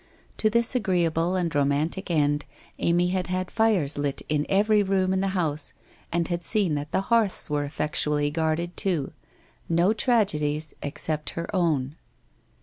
To this agreeable and romantic end Amy had had fires lit in every room in the house, and had seen that the hearths were effectually guarded, too. No tragedies, except her own